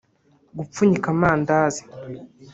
Gupfunyika amandazi